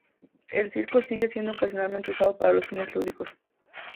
El Circo sigue siendo ocasionalmente usado para fines lúdicos.